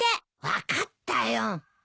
分かったよ。